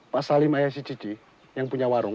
pak salim ayasicici yang punya warung